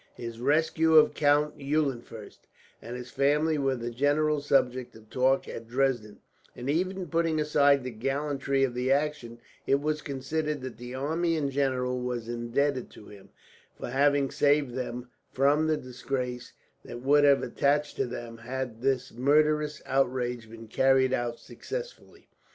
His rescue of Count Eulenfurst and his family was the general subject of talk at Dresden, and even putting aside the gallantry of the action, it was considered that the army in general were indebted to him, for having saved them from the disgrace that would have attached to them had this murderous outrage been carried out successfully.